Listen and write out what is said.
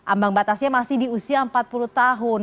ambang batasnya masih di usia empat puluh tahun